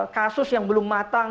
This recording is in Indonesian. kasus yang belum matang